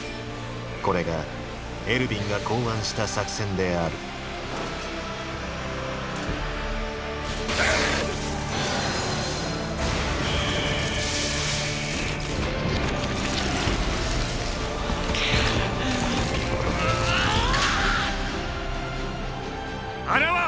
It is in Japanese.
これがエルヴィンが考案した作戦であるぐっおおぉぉぉっ！！